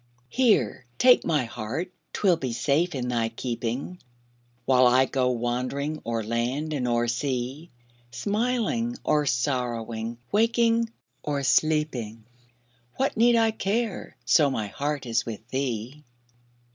Here, take my heart 'twill be safe in thy keeping, While I go wandering o'er land and o'er sea; Smiling or sorrowing, waking or sleeping, What need I care, so my heart is with thee?